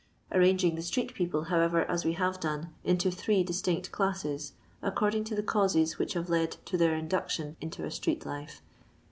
Arrang ing the street people, however, as we have done, into three distinct classes, according to the causes which have led to their induction into a street life, riz.